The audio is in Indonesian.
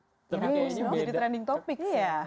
jadi trending topic sih